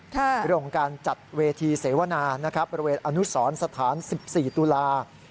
เป็นโครงการจัดเวทีเสวนาบริเวณอนุสรรค์สถาน๑๔ตุลา